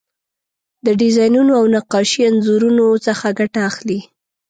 د ډیزاینونو او نقاشۍ انځورونو څخه ګټه اخلي.